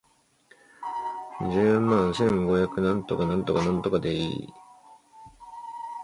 十万两千五百七十三元